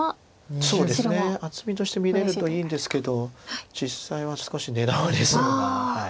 そうですね厚みとして見れるといいんですけど実際は少し狙われそうな。